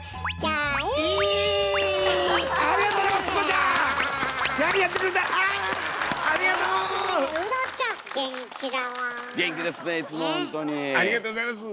ありがとうございます。